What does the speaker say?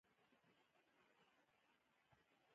ښه پلورونکی د ژمنو پابند وي.